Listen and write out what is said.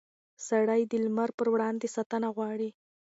سړي د لمر پر وړاندې ساتنه غواړي.